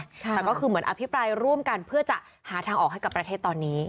แต่ก็คือเหมือนอภิปรายร่วมกันเพื่อจะหาทางออกให้กับประเทศตอนนี้